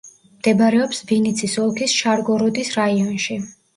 მდებარეობს ვინიცის ოლქის შარგოროდის რაიონში.